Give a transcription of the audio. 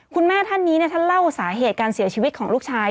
คุณแม่ท่านนี้ท่านเล่าสาเหตุการเสียชีวิตของลูกชาย